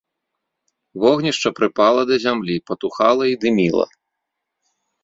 Вогнішча прыпала да зямлі, патухала і дыміла.